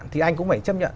thì anh cũng phải chấp nhận